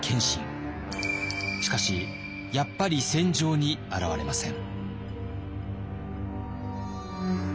しかしやっぱり戦場に現れません。